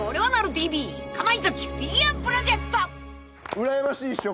うらやましいっしょ？